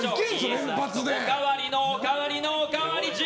おかわりのおかわりのおかわり。